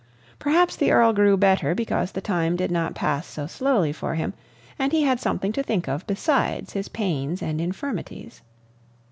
Perhaps the Earl grew better because the time did not pass so slowly for him, and he had something to think of beside his pains and infirmities.